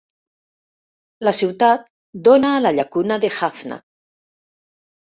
La ciutat dóna a la llacuna de Jaffna.